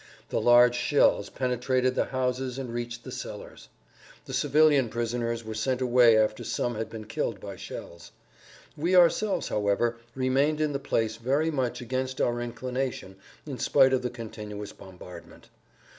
The large shells penetrated the houses and reached the cellars. The civilian prisoners were sent away after some had been killed by shells. We ourselves, however, remained in the place very much against our inclination in spite of the continuous bombardment.